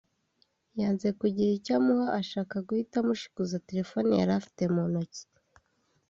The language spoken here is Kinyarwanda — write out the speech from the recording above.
yanze kugira icyo amuha ashaka guhita amushikuza telefone yari afite mu ntoki